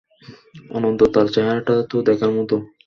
অন্তত তার চেহারাটা তো দেখার মতো।